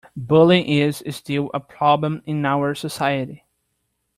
Bullying is still a problem in our society.